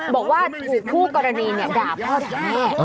บอกว่าผู้กรณีเนี่ยด่าพ่อด่าแม่